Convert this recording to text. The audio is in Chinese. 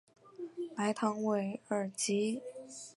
莱唐韦尔吉。